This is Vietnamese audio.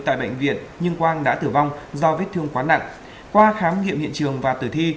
tại bệnh viện nhưng quang đã tử vong do vết thương quá nặng qua khám nghiệm hiện trường và tử thi